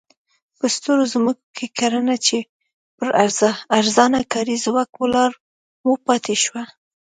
په سترو ځمکو کې کرنه چې پر ارزانه کاري ځواک ولاړه وه پاتې شوه.